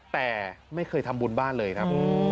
แต่ไม่เคยทำบุญบ้านเลยครับ